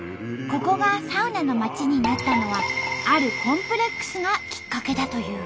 ここがサウナの町になったのはあるコンプレックスがきっかけだという。